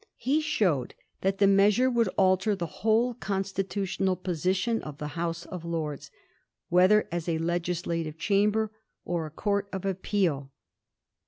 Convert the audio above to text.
He showed that the measure would alter the whole constitutional position of the House of Lords, whether as a legislative chamber or a court of appeal.